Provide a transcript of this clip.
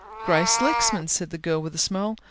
"Grace Lexman," said the girl, with a smile.